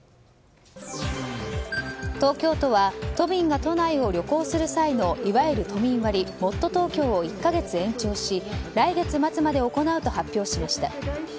東京都は都民が都内を旅行する際のいわゆる都民割もっとＴｏｋｙｏを１か月延長し来月末まで行うと発表しました。